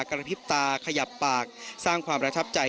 กระพริบตาขยับปากสร้างความประทับใจ